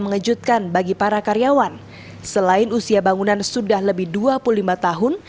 puskesmas yang ambruk adalah ruangan poli umum poligigi dan ruang pendaftaran